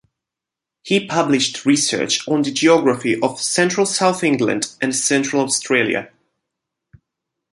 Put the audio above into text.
He published research on the geography of Central South England and Central Australia.